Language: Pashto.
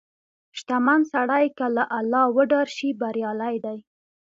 • شتمن سړی که له الله وډار شي، بریالی دی.